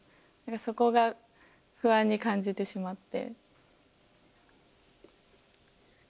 そこが不安に感じてしまって。